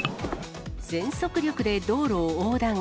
全速力で道路を横断。